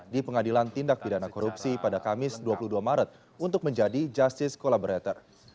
di pengadilan tindak pidana korupsi pada kamis dua puluh dua maret untuk menjadi justice collaborator